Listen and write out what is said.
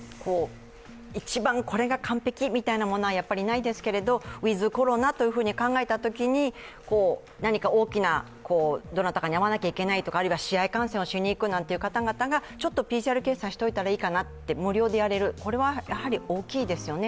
一番これが完璧みたいなものはないですけれどウィズ・コロナと考えたときに、どなたかに会わなきゃいけないとか、あるいは試合観戦をしに行くという方々がちょっとＰＣＲ検査しておいたらいいかな、無料でやれるこれは大きいですよね。